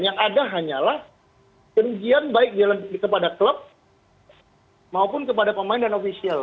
yang ada hanyalah kerugian baik kepada klub maupun kepada pemain dan ofisial